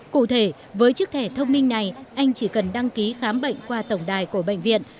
cụ thể với chiếc thẻ thông minh này anh chỉ cần đăng ký khám bệnh qua tổng đài của bệnh viện